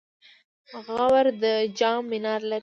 غور د جام منار لري